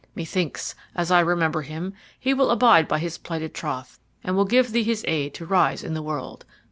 Methinks, as I remember him, he will abide by his plighted troth, and will give thee his aid to rise in the world.